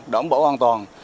đổng bổ an toàn